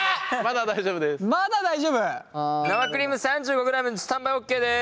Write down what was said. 生クリーム３５ｇスタンバイＯＫです！